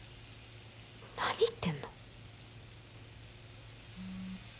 何言ってんの？